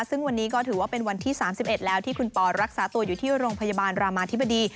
ซึ่งวันนี้ก็ถือว่าเป็นวันที่๓๑แล้วที่คุณปอรักษาตัวอยู่ที่โรงพยาบาลรามาธิบดี